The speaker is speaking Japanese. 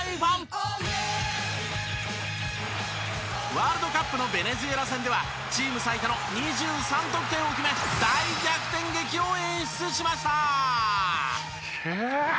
ワールドカップのベネズエラ戦ではチーム最多の２３得点を決め大逆転劇を演出しました！